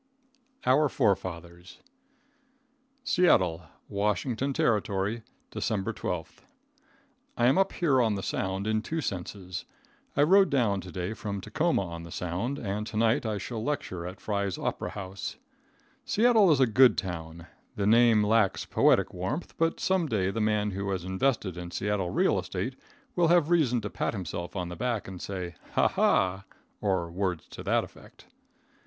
Our Forefathers. Seattle, W.T., December 12. I am up here on the Sound in two senses. I rode down to day from Tacoma on the Sound, and to night I shall lecture at Frye's Opera House. Seattle is a good town. The name lacks poetic warmth, but some day the man who has invested in Seattle real estate will have reason to pat himself on the back and say "ha ha," or words to that effect.